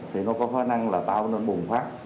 thì nó có khả năng là tạo nên bùng phát